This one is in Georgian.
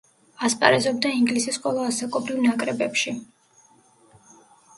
ასპარეზობდა ინგლისის ყველა ასაკობრივ ნაკრებებში.